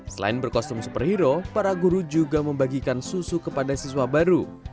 selain berkostum superhero para guru juga membagikan susu kepada siswa baru